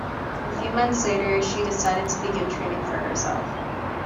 A few months later, she decided to begin training for herself.